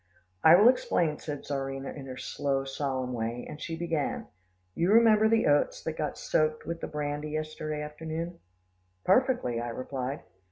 "I will explain," said Czarina in her slow, solemn way, and she began, "You remember the oats that got soaked with the brandy yesterday afternoon?" "Perfectly," I replied.